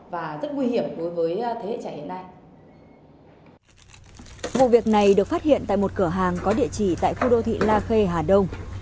vụ việc này được phát hiện tại một cửa hàng có địa chỉ tại khu đô thị la khê hà đông